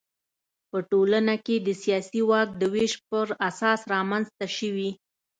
په ټولنه کې د سیاسي واک د وېش پر اساس رامنځته شوي.